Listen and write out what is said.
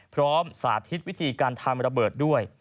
สาธิตวิธีการทำระเบิดด้วย